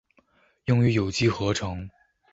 用于有机合成。